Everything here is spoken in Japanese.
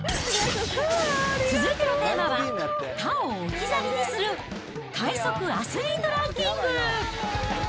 続いてのテーマは、他を置き去りにする快速アスリートランキング。